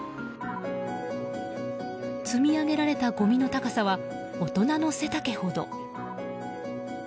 積み上げられたごみの高さは大人の背丈ほど。